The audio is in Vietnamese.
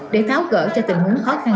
để tháo gỡ cho tình huống khó khăn